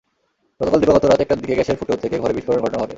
গতকাল দিবাগত রাত একটার দিকে গ্যাসের ফুটো থেকে ঘরে বিস্ফোরণের ঘটনা ঘটে।